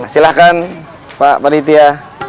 silahkan pak panitia